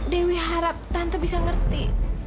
dewi harap tante bisa ngerti